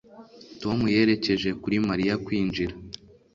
Tom yerekeje kuri Mariya kwinjira